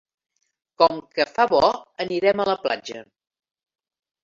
Com que fa bo anirem a la platja.